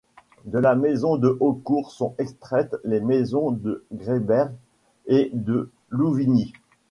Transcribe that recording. De la Maison de Haucourt sont extraites les Maisons de Grébert et de Louvignies.